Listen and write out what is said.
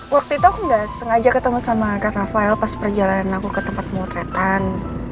waktu itu aku nggak sengaja ketemu sama kak rafael pas perjalanan aku ke tempat pemotretan